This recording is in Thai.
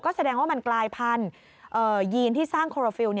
แสดงว่ามันกลายพันธุ์ยีนที่สร้างโครฟิลล